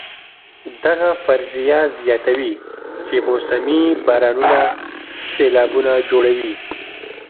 دغه فرضیه زیاتوي چې موسمي بارانونه سېلابونه جوړوي.